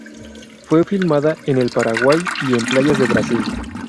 Fue filmada en el Paraguay y en playas de Brasil.